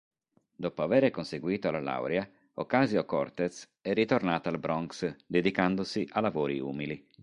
Dopo avere conseguito la laurea, Ocasio-Cortez è ritornata al Bronx, dedicandosi a lavori umili.